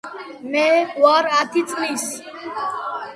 მე ვარ ათი წლის